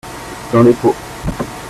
Dans les pots.